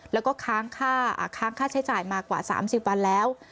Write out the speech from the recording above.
แล้วก็ค้างค่าใช้จ่ายมากว่า๓๐วันแล้ว